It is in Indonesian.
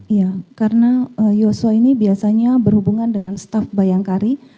iya karena yosua ini biasanya berhubungan dengan staff bayangkari